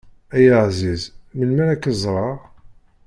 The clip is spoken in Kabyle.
Ay aεziz melmi ara k-ẓreɣ.